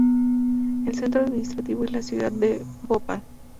El centro administrativo es la ciudad de Bhopal.